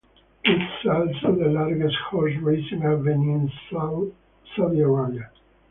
It is also the largest horse racing venue in Saudi Arabia.